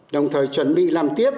năm đồng thời chuẩn bị làm tiếp